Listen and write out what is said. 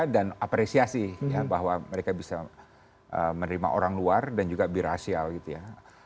dan apresiasi bahwa mereka bisa menerima orang luar dan juga birasial gitu ya